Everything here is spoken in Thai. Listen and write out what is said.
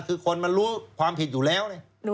คือคนมันรู้ความผิดอยู่แล้ว